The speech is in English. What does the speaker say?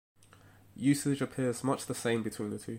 Usage appears much the same between the two.